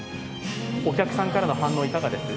お客さんからの反応はいかがですか。